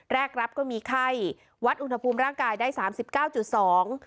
แรกรับก็มีไข้วัดอุณหภูมิร่างกายได้สามสิบเก้าจุดสอง